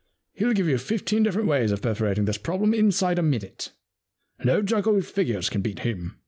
He'd give you fifteen different ways of perforating this prob lem inside a minute. No juggle with figures can beat him.